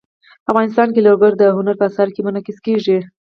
افغانستان کې لوگر د هنر په اثار کې منعکس کېږي.